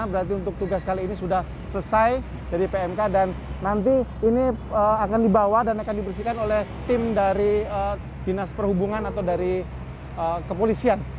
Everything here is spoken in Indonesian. berarti untuk tugas kali ini sudah selesai dari pmk dan nanti ini akan dibawa dan akan dibersihkan oleh tim dari dinas perhubungan atau dari kepolisian